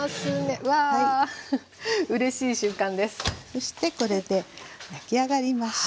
そしてこれで焼き上がりました。